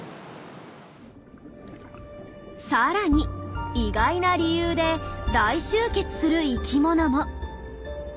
さらに意外な理由で大集結する生きものも。